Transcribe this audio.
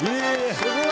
すごい！